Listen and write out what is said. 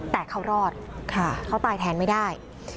แต่เขารอดเขาตายแทนไม่ได้